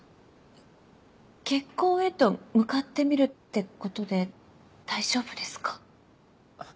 結婚へと向かってみるってことで大丈夫ですか？